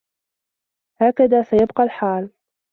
هكذا سيبق الحال.